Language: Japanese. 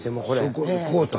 そこで買うた。